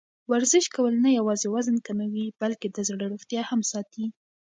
ورزش کول نه یوازې وزن کموي، بلکې د زړه روغتیا هم ساتي.